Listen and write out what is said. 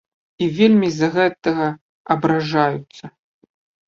І вельмі з-за гэтага абражаюцца.